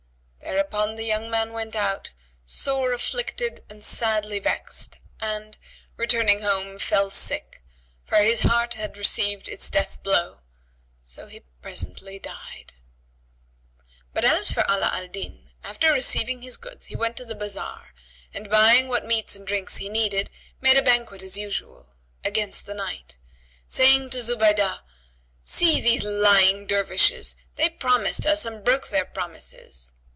Thereupon the young man went out, sore afflicted and sadly vexed and, returning home, fell sick, for his heart had received its death blow; so he presently died. But as for Ala al Din, after receiving his goods he went to the bazar and buying what meats and drinks he needed, made a banquet as usual—against the night, saying to Zubaydah, "See these lying Dervishes; they promised us and broke their promises."